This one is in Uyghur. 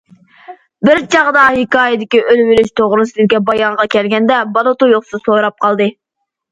بىر چاغدا ھېكايىدىكى ئۆلۈۋېلىش توغرىسىدىكى بايانغا كەلگەندە بالا تۇيۇقسىز سوراپ قالدى.